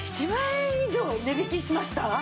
１万円以上値引きしました？